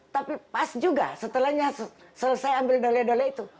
tapi pas juga setelahnya selesai ambil dole dole itu